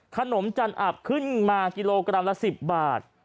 จันอับขึ้นมากิโลกรัมละ๑๐บาท